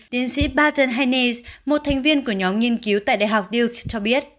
tiến sĩ barton haynes một thành viên của nhóm nghiên cứu tại đại học duke cho biết